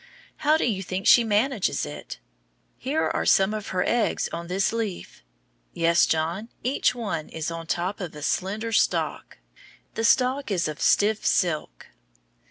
How do you think she manages it? Here are some of her eggs on this leaf. Yes, John; each one is on top of a slender stalk. The stalk is of stiff silk.